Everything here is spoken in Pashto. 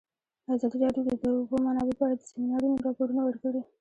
ازادي راډیو د د اوبو منابع په اړه د سیمینارونو راپورونه ورکړي.